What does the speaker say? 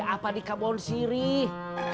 apa di kampung sirih